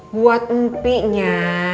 buat empi nya